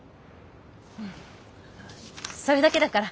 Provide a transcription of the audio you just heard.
それだけだから。